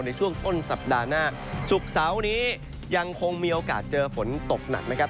ในช่วงต้นสัปดาห์หน้าศุกร์เสาร์นี้ยังคงมีโอกาสเจอฝนตกหนักนะครับ